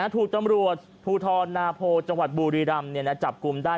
ถูกตำรวจภูทรนาโพจังหวัดบุรีรำจับกลุ่มได้